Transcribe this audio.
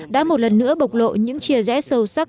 đã một lần nữa bộc lộ những chia rẽ sâu sắc